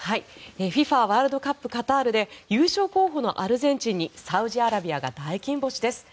ワールドカップカタールで優勝候補のアルゼンチンにサウジアラビアが大金星です。